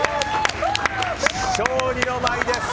勝利の舞です！